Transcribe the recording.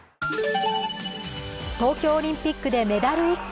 東京オリンピックでメダル１個。